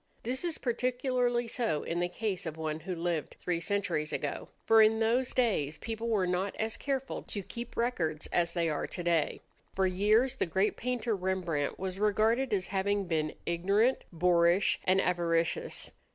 This is particularly so in the case of one who lived three centuries ago; for in those days people were not as careful to keep records as they are today. For years the great painter Rembrandt was regarded as having been ignorant, boorish, and avaricious.